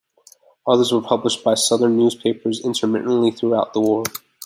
Others were published by Southern newspapers intermittently throughout the war.